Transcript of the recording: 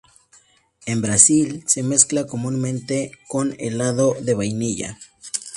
En Brasil, se mezcla comúnmente con helado de vainilla.